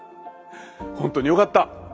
本当によかった！